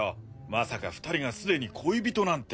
まさか２人がすでに恋人なんて。